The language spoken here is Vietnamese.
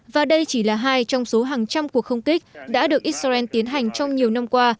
và đây chỉ là hai trong số hàng trăm cuộc không kích đã được israel tiến hành trong nhiều năm qua